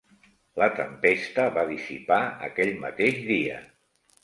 La tempesta va dissipar aquell mateix dia.